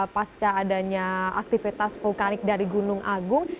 pasca adanya aktivitas vulkanik dari gunung agung